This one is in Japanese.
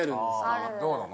どうなの？